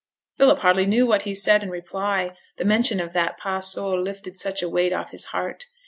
Philip hardly knew what he said in reply, the mention of that pas seul lifted such a weight off his heart.